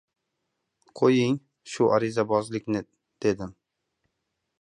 Qo‘ying, shu arizabozlikni, — dedim.